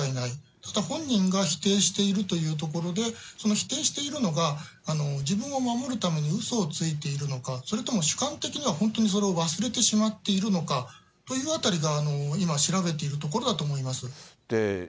また本人が否定しているというところで、その否定しているのが、自分を守るためにうそをついているのか、それとも主観的には、本当にそれを忘れてしまっているのかというあたりが、今、調べているところだと思います。